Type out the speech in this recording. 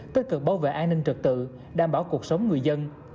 tích cực bảo vệ an ninh trực tự đảm bảo cuộc sống người dân